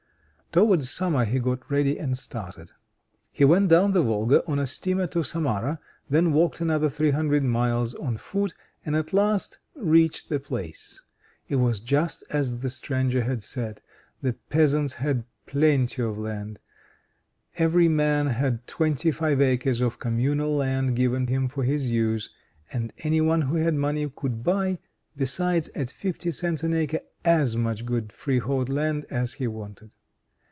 Towards summer he got ready and started. He went down the Volga on a steamer to Samara, then walked another three hundred miles on foot, and at last reached the place. It was just as the stranger had said. The peasants had plenty of land: every man had twenty five acres of Communal land given him for his use, and any one who had money could buy, besides, at fifty cents an acre as much good freehold land as he wanted.